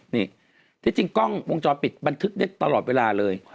นี่ที่จริงกล้องวงจรปิดบันทึกได้ตลอดเวลาเลย